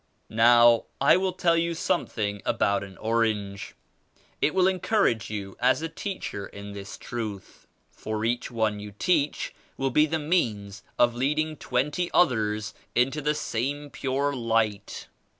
"Now I will tell you something about an orange. It will encourage you as a teacher in this Truth. For each one you teach will be the means of leading twenty others into the same pure Light.